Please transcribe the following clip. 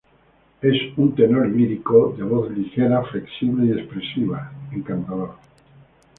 Es un tenor lírico, de voz ligera, flexible y expresiva, encantador.